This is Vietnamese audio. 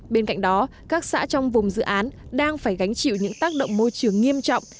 bên cạnh đó các xã trong vùng dự án đang phải gánh chịu những tác động môi trường nghiêm trọng